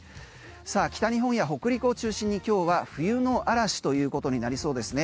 北日本や北陸を中心に今日は冬の嵐ということになりそうですね。